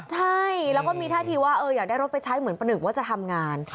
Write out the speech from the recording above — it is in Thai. ใช่แล้วก็มีท่าทีว่าอยากได้รถไปใช้เหมือนประหนึ่งว่าจะทำงาน